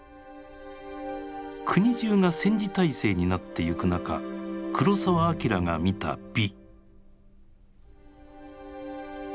国中が戦時体制になっていく中黒澤明が見た美。